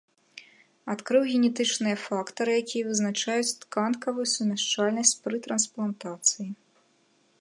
Адкрыў генетычныя фактары, якія вызначаюць тканкавую сумяшчальнасць пры трансплантацыі.